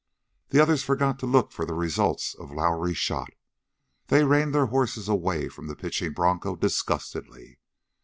The others forgot to look for the results of Lowrie's shot. They reined their horses away from the pitching broncho disgustedly.